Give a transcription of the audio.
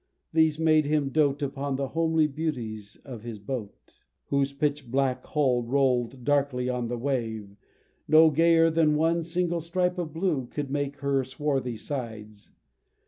These made him dote Upon the homely beauties of his boat, Whose pitch black hull roll'd darkly on the wave, No gayer than one single stripe of blue Could make her swarthy sides.